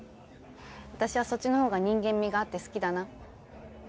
私はそっちの方が人間味があって好きだな。